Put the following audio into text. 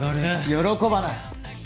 喜ばない！